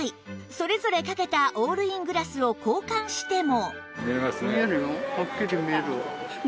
それぞれかけたオールイングラスを交換しても